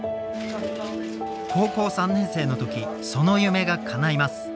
高校３年生の時その夢がかないます。